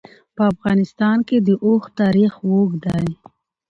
په افغانستان کې د اوښ تاریخ اوږد دی.